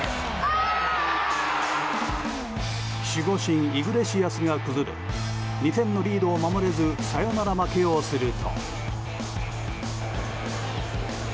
守護神イグレシアスが崩れ２点のリードを守れずサヨナラ負けをすると。